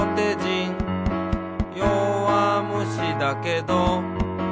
「よわむしだけど」